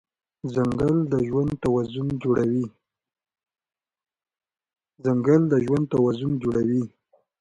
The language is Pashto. ځنګل د ژوند توازن جوړوي.